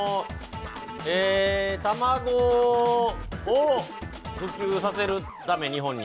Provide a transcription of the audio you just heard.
えー、卵を普及させるため、日本に。